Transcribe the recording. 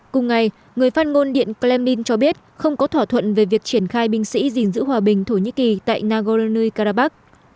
cùng ngày người phát ngôn điện kremlin cho biết không có thỏa thuận về việc triển khai binh sĩ gìn giữ hòa bình thổ nhĩ kỳ tại nagorno karabakh